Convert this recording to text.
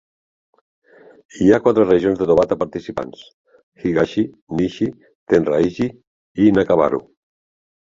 Hi ha quatre regions de Tobata participants: Higashi, Nishi, Tenraiji i Nakabaru.